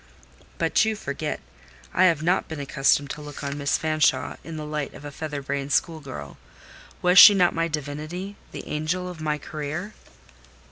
"But you forget: I have not been accustomed to look on Miss Fanshawe in the light of a feather brained school girl. Was she not my divinity—the angel of my career?"